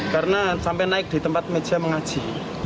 karena sampai naik di tempat meja mengaji